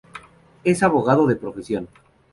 Es abogado de profesión.